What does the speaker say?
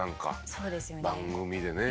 そうですよね。